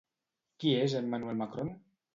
Qui és Emmanuel Macron?